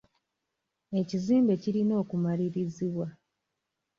Ekizimbe kirina okumalirizibwa.